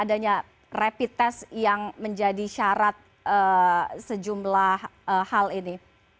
anda menangkap kekhawatiran apa dengan adanya rapid test yang menjadi syarat sejumlah hal ini